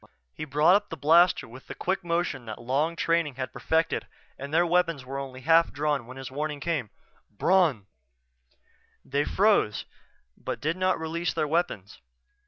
He brought up the blaster with the quick motion that long training had perfected and their weapons were only half drawn when his warning came: "Bron!" They froze, but did not release their weapons.